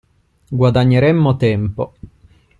Guadagneremmo tempo.